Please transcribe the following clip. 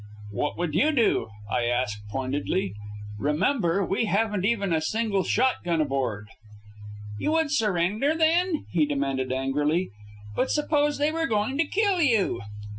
"What would you do?" I asked pointedly. "Remember, we haven't even a single shotgun aboard." "You would surrender, then?" he demanded angrily. "But suppose they were going to kill you?"